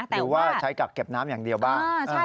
หรือว่าใช้กักเก็บน้ำอย่างเดียวบ้าง